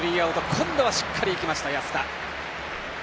今度はしっかりといきました安田。